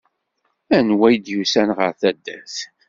Anwa id yussan ɣer taddart?